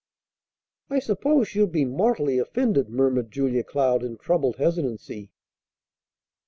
"I suppose she'll be mortally offended," murmured Julia Cloud in troubled hesitancy.